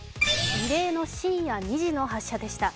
異例の深夜２時の発射でした。